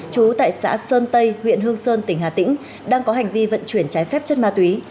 trú tại xã sơn tây huyện hương sơn tỉnh hà tĩnh đang có hành vi vận chuyển trái phép chất ma túy